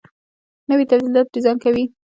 نوي تولیدات ډیزاین کوي.